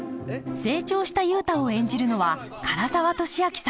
成長した雄太を演じるのは唐沢寿明さん。